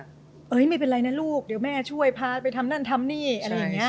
ไม่เป็นไรนะลูกเดี๋ยวแม่ช่วยพาไปทำนั่นทำนี่อะไรอย่างนี้